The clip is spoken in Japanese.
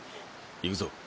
行くぞ。